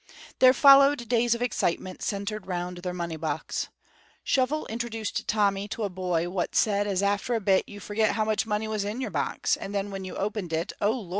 There followed days of excitement centred round their money box. Shovel introduced Tommy to a boy what said as after a bit you forget how much money was in your box, and then when you opened it, oh, Lor'!